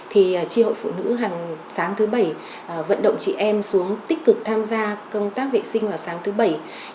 thì tri hội phụ nữ hàng sáng thứ bảy vận động chị em xuống tích cực tham gia công tác vệ sinh vào sáng thứ bảy